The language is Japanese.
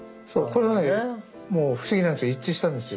これはねもう不思議なんですけど一致したんですよ。